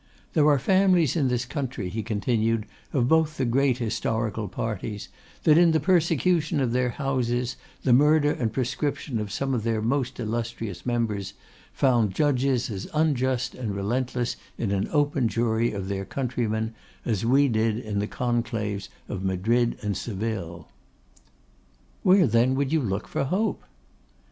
'There are families in this country,' he continued, 'of both the great historical parties, that in the persecution of their houses, the murder and proscription of some of their most illustrious members, found judges as unjust and relentless in an open jury of their countrymen as we did in the conclaves of Madrid and Seville.' 'Where, then, would you look for hope?